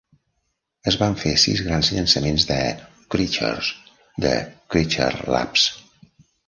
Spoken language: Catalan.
Es van fer sis grans llançaments de Creatures, de Creature Labs.